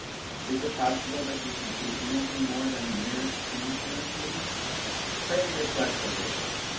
Is it possible that you can see anything more than the merest chance in this meeting? Pray reflect a little.